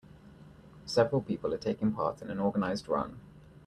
Several people are taking part in an organized run.